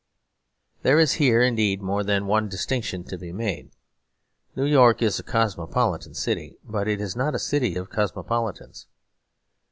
There is here indeed more than one distinction to be made. New York is a cosmopolitan city; but it is not a city of cosmopolitans.